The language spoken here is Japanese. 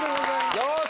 よし！